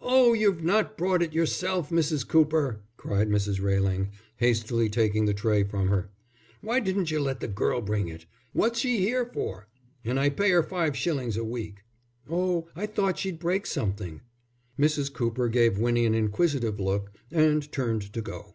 "Oh, you've not brought it yourself, Mrs. Cooper!" cried Mrs. Railing, hastily taking the tray from her. "Why didn't you let the girl bring it? What's she here for? And I pay 'er five shillings a week." "Oh, I thought she'd break something." Mrs. Cooper gave Winnie an inquisitive look and turned to go.